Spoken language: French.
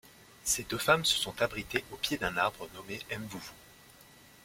Ces deux femmes se sont abritées au pied d'un arbre nommé Mvouvou.